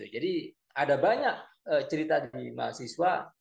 jadi ada banyak cerita di mahasiswa